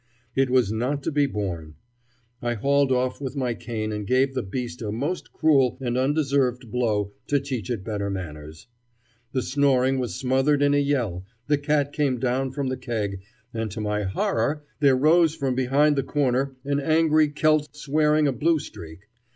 It was not to be borne. I hauled off with my cane and gave the beast a most cruel and undeserved blow to teach it better manners. The snoring was smothered in a yell, the cat came down from the keg, and to my horror there rose from behind the corner an angry Celt swearing a blue streak.